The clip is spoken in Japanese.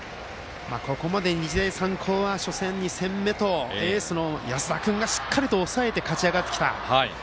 ここまで日大三高は初戦、２戦目とエースの安田君がしっかりと抑えて勝ち上がってきた。